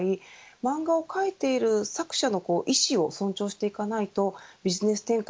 漫画を描いている作者の意思を尊重していかないとビジネス展開